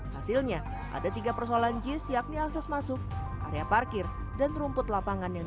hasilnya ada tiga persoalan jis yakni akses masuk area parkir dan rumput lapangan yang